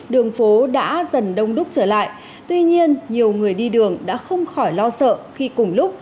đường phố đã dần đông đúc trở lại tuy nhiên nhiều người đi đường đã không khỏi lo sợ khi cùng lúc